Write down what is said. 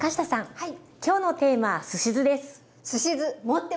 はい。